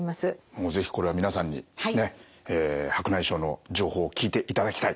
もう是非これは皆さんにねっ白内障の情報聞いていただきたい！